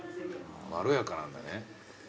まろやかなんだね。